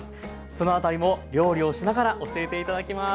そのあたりも料理をしながら教えて頂きます。